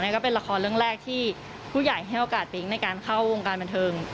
ก็เป็นละครเรื่องแรกที่ผู้ใหญ่ให้โอกาสปิ๊งในการเข้าวงการบันเทิง